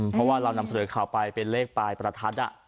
เพราะว่าเรานำเสนอข่าวไปเป็นเลขปลายประทัด